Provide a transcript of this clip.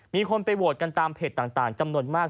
มีคนไปโหวตกันตามเพจต่างจำนวนมาก